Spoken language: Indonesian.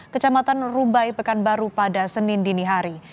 kecamatan rubai pekanbaru pada senin dinihari